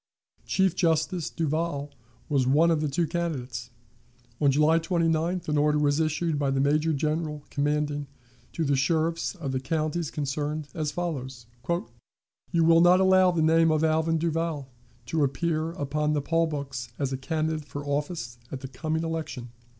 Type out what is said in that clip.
Chief Justice Duvall was one of the two candidates. On July 29th an order was issued by the Major General, commanding, to the sheriffs of the counties concerned, as follows: "You will not allow the name of Alvin Duvall to appear upon the poll books as a candidate for office at the coming election."